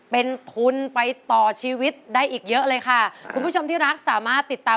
เป็นทุนไปต่อชีวิตได้อีกเยอะเลยค่ะคุณผู้ชมที่รักสามารถติดตาม